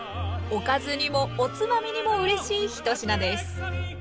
おかずにもおつまみにもうれしい１品です。